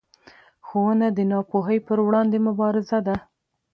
ښوونه د ناپوهۍ پر وړاندې مبارزه ده